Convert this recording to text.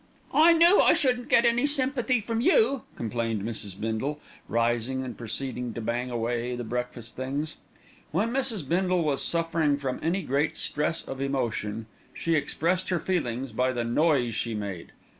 "I knew I shouldn't get any sympathy from you," complained Mrs. Bindle, rising and proceeding to bang away the breakfast things. When Mrs. Bindle was suffering from any great stress of emotion, she expressed her feelings by the noise she made.